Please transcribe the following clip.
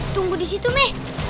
tunggu disitu mih